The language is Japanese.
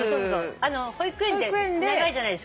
保育園って長いじゃないですか。